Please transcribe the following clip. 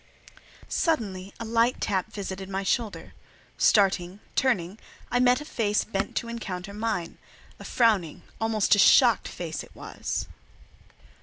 Suddenly a light tap visited my shoulder. Starting, turning, I met a face bent to encounter mine; a frowning, almost a shocked face it was.